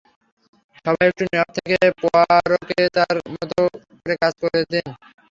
সবাই একটু নীরব থেকে পোয়ারোকে তার মতো করে কাজ করতে দিন!